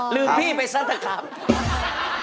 ลืมพี่ไปซักครั้ง